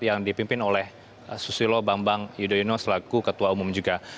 yang dipimpin oleh susilo bambang yudhoyono selaku ketua umum juga